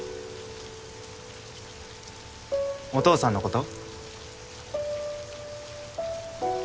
お父さんのこと？